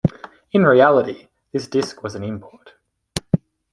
In reality, this disc was an import.